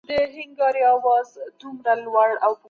موږ ته په کار ده چي ریښتیا ووایو.